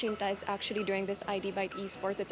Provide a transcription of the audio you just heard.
aku sangat senang bahwa bu shinta melakukan id byte esports ini